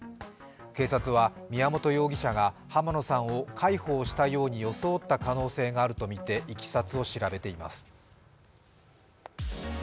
警察は宮本容疑者が濱野さんを介抱したように装った可能性があるとみていきさつを調べています。